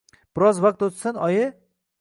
Biroz vaqt o`tsin, oyi